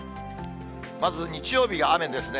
まず日曜日が雨ですね。